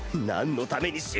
何のために！！